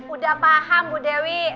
udah paham bu dewi